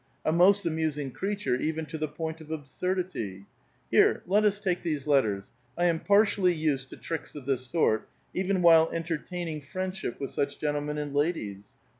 A most amusing creature, even to the point of absurdity ! Here, let us take these letters. I am partially used to tricks of this sort, even while entertaining friendship with such gentlemen and ladies.